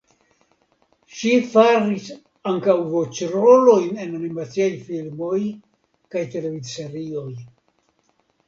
Ŝi faris ankaŭ voĉrolojn en animaciaj filmoj kaj televidserioj.